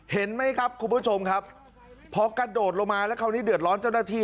เห็นไหมครับคุณผู้ชมครับพอกระโดดลงมาแล้วคราวนี้เดือดร้อนเจ้าหน้าที่